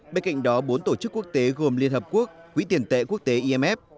bên cạnh đó bốn tổ chức quốc tế gồm liên hợp quốc quỹ tiền tệ quốc tế imf